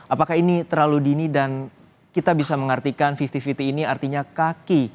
apakah ini terlalu dini dan kita bisa mengartikan lima puluh lima puluh ini artinya kaki